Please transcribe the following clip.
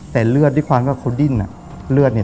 แต่เลือดไปความว่าเขาดิ้นน่ะ